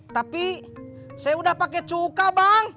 tapi saya udah pakai cuka bang